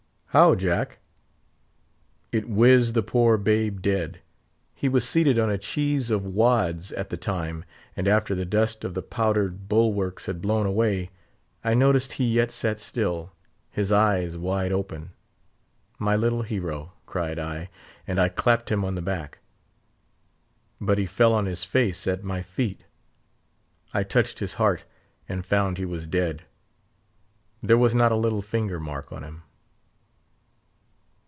"How, Jack?" "It whizzed the poor babe dead. He was seated on a cheese of wads at the time, and after the dust of the powdered bulwarks had blown away, I noticed he yet sat still, his eyes wide open. 'My little hero!' cried I, and I clapped him on the back; but he fell on his face at my feet. I touched his heart, and found he was dead. There was not a little finger mark on him."